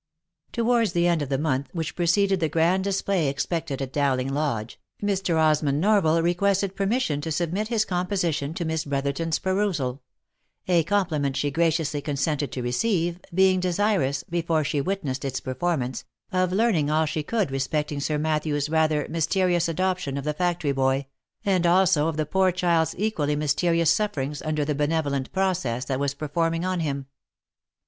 Towards the end of the month which preceded the grand display expected at Dowling Lodge, Mr. Osmond Norval requested permission to submit his composition to Miss Brotherton's perusal ; a compliment she graciously consented to receive, being desirous, before she witnessed its performance, of learning all she could respecting Sir Matthew's rather mysterious adoption of the factory boy, and also of the poor child's equally mysterious sufferings under the benevolent process that was performing on him.